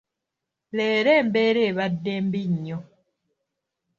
Leero embeera abadde mbi nnyo.